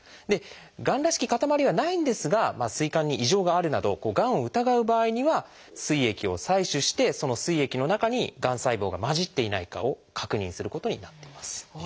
がんらしき塊はないんですが膵管に異常があるなどがんを疑う場合には膵液を採取してその膵液の中にがん細胞が混じっていないかを確認することになっています。